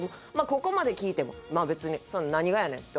ここまで聞いてもまあ別に何がやねん？って思う